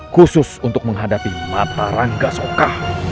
khusus untuk menghadapi mata rangga sokah